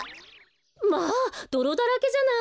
まあどろだらけじゃない。